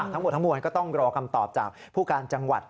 ทั้งหมดทั้งมวลก็ต้องรอคำตอบจากผู้การจังหวัด